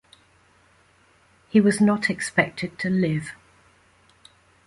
He was not expected to live.